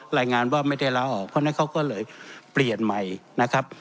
รายงานว่าไม่ได้ลาออกเพราะฉะนั้นเขาก็เลยเปลี่ยนใหม่นะครับ